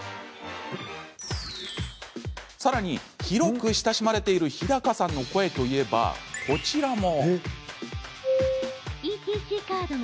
さらに広く親しまれている日高さんの声といえば、こちらも。